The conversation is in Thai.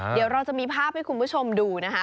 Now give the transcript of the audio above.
เดี๋ยวเราจะมีภาพให้คุณผู้ชมดูนะคะ